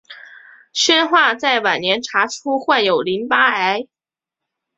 宣化在晚年查出患有淋巴癌。